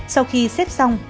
sau khi xếp xong